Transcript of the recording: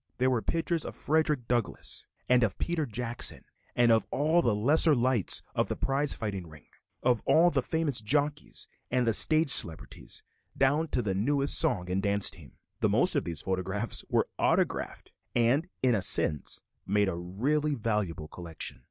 There were pictures of Frederick Douglass and of Peter Jackson, of all the lesser lights of the prize fighting ring, of all the famous jockeys and the stage celebrities, down to the newest song and dance team. The most of these photographs were autographed and, in a sense, made a really valuable collection.